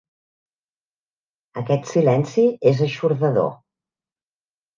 Aquest silenci és eixordador.